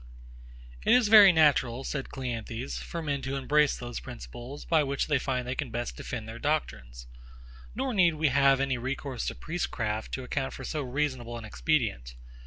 It is very natural, said CLEANTHES, for men to embrace those principles, by which they find they can best defend their doctrines; nor need we have any recourse to priestcraft to account for so reasonable an expedient.